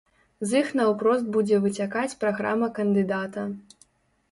З іх наўпрост будзе выцякаць праграма кандыдата.